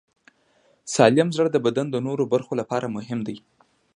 سالم زړه د بدن د نورو برخو لپاره مهم دی.